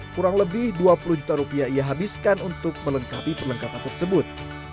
kurang lebih dua puluh juta rupiah ia habiskan untuk melengkapi perlengkapan tersebut